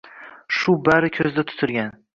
Shu bari ko‘zda tutilgan.